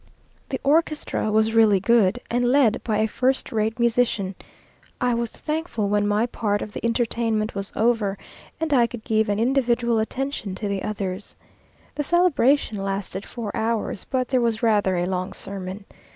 The orchestra was really good, and led by a first rate musician. I was thankful when my part of the entertainment was over, and I could give an individual attention to the others. The celebration lasted four hours, but there was rather a long sermon.